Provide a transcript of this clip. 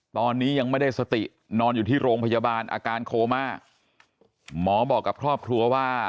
ตอนนี้ยังไม่ได้สตินอนอยู่ที่โรงพยาบาลอาการโคม่าหมอบอกกับครอบครัวว่า